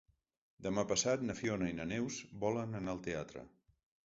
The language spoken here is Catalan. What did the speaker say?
Demà passat na Fiona i na Neus volen anar al teatre.